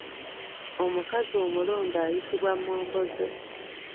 Omukazi omulonde ayitibwa Mmomboze.